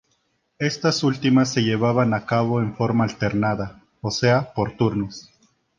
Estas últimas se llevaban a cabo en forma alternada, o sea por turnos.